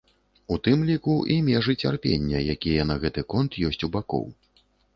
У тым ліку і межы цярпення, якія на гэты конт ёсць у бакоў.